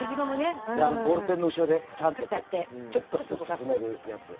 ボールペンの後ろでカチャーンとやってちょっと進めるやつ。